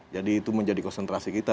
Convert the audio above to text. jadi itu menjadi konsentrasi kita